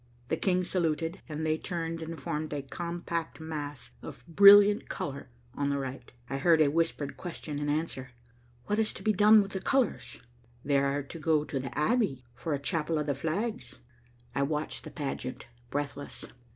The King saluted, and they turned and formed a compact mass of brilliant color on the right. I heard a whispered question and answer. "What is to be done with the colors?" "They are to go to the Abbey for a chapel of the flags." I watched the pageant, breathless.